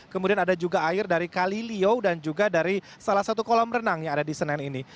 kemudian ada juga air dari kali lio dan juga dari salah satu kolam renang yang ada di senen ini